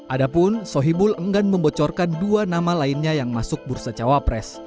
adapun sohibul enggan membocorkan dua nama lainnya yang masuk bursa cawapres